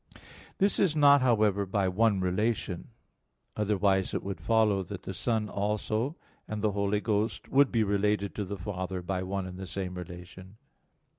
This is not, however, by one relation; otherwise it would follow that the Son also and the Holy Ghost would be related to the Father by one and the same relation.